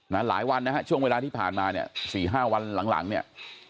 นะหลายวันนะฮะช่วงเวลาที่ผ่านมาเนี่ยสี่ห้าวันหลังหลังเนี่ย